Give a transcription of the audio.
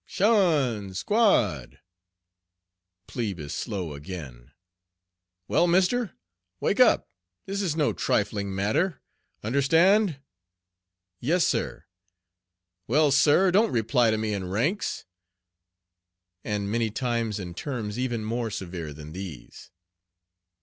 "'Tion, squad!" Plebe is slow again. "Well, mister, wake up. This is no trifling matter. Understand?" "Yes, sir." "Well, sir, don't reply to me in ranks." And many times and terms even more severe than these.